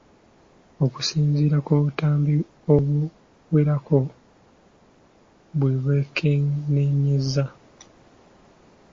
Okusinziira ku butambi obuwerako bwe beekenneenyezza.